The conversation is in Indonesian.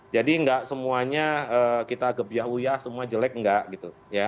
jadi nggak semuanya kita gebiah uyah semua jelek nggak gitu